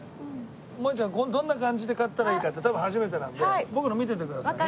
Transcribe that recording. もえちゃんどんな感じで買ったらいいかって多分初めてなんで僕の見ててくださいね。